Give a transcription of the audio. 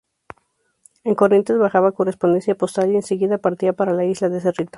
En Corrientes bajaba correspondencia postal y en seguida partía para la Isla de Cerrito.